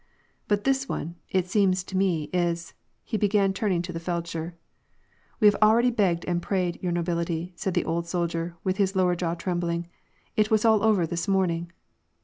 " But this one, it seems to me, is "— he began, turning to the feldsher. " We have already begged and prayed, your nobility," said the old soldier, with his lower jaw trembling. " It was all over this morning.